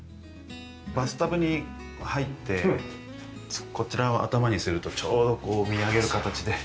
バスタブに入ってこちらを頭にするとちょうどこう見上げる形で。